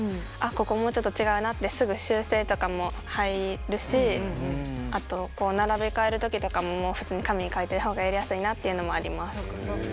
ここもうちょっと違うなってすぐあとこう並べ替える時とかも普通に紙に書いてるほうがやりやすいなっていうのもあります。